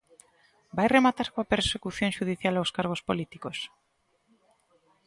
¿Vai rematar coa persecución xudicial aos cargos políticos?